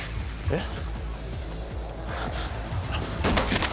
えっ？